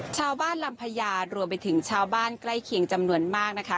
ชาวบ้านลำพญารวมไปถึงชาวบ้านใกล้เคียงจำนวนมากนะคะ